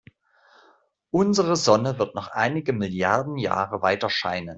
Unsere Sonne wird noch einige Milliarden Jahre weiterscheinen.